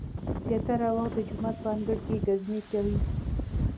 زیاتره وخت د جومات په انګړ کې ګزمې کوي.